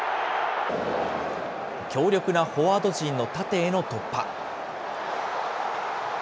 強力なフォワード陣の縦への突破。